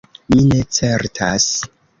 "Mi ne certas."